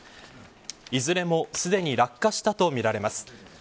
いずれもすでに落下したとみられます。